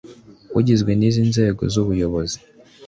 ugizwe n izi nzego z ubuyobozi